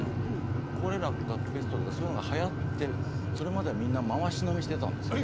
コレラかペストとかそういうのが流行ってそれまではみんな回し飲みしてたんですよ宴会で。